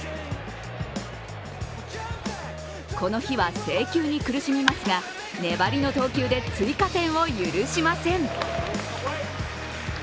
この日は制球に苦しみますが粘りの投球で追加点を許しません。